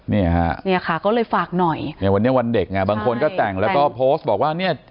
เนี่ยฮะเนี่ยค่ะก็เลยฝากหน่อยเนี่ยวันนี้วันเด็กอ่ะบางคนก็แต่งแล้วก็โพสต์บอกว่าเนี่ย